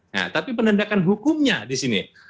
nah tapi penegakan hukumnya di sini